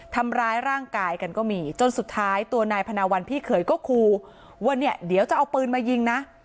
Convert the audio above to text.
ทำร้ายร่างกายกันก็มีจนสุดท้ายตัวนายพนาวันพี่เขยก็คูว่าเนี่ยเดี๋ยวจะเอาปืนมายิงนะ